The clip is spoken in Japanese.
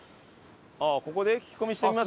ここで聞き込みしてみます？